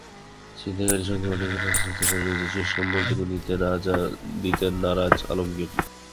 ছিনতাইকারীর সঙ্গে অনেক ধস্তাধস্তির পরও নিজের শেষ সম্বলটুকু দিতে নারাজ আলমগীর।